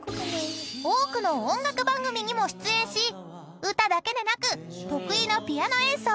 ［多くの音楽番組にも出演し歌だけでなく得意のピアノ演奏も披露！］